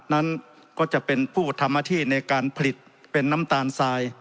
นั้นก็จะเป็นผู้ทำอาชีพในการผลิตเป็นน้ำตาลทราย